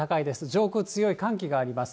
上空強い寒気があります。